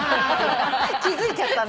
気付いちゃったんだ。